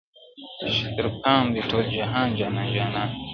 چي تر پام دي ټول جهان جانان جانان سي-